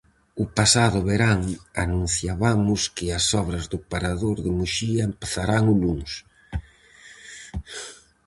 O pasado verán anunciabamos que as obras do parador de Muxía empezarán o luns.